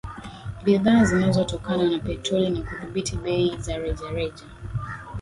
bidhaa zinazotokana na petroli na kudhibiti bei za rejareja